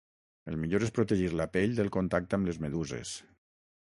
El millor és protegir la pell del contacte amb les meduses.